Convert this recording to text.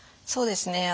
そうですね。